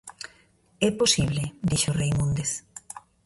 -É posible -dixo Reimúndez-.